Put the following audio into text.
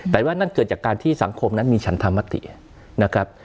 แต่ว่านั่นเกิดจากการที่สังคมนั้นมีฉันธรรมตินะครับ